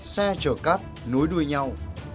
xe chở cát nối đuôi nhau